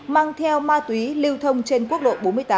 mang theo ma túy lưu thông trên quốc lộ bốn mươi tám